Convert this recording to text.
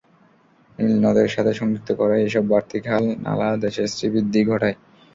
নীল নদের সাথে সংযুক্ত করায় এসব বাড়তি খাল, নালা দেশের শ্রীবৃদ্ধি ঘটায়।